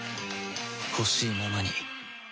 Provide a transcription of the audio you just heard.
ほしいままに